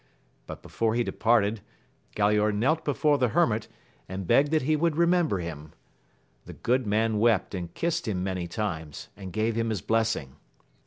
But before he departed, Gralaor knelt before the hermit, and begged that he would remember him. The good man wept, and kissed him many times, and gave him his blessing.